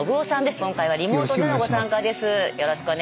今回はリモートでのご参加です。